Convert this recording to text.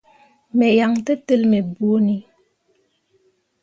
Me yan tǝtel me bõoni.